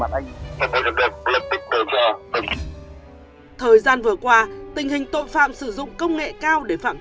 thời gian vừa qua tình hình tội phạm sử dụng công nghệ cao để phản tích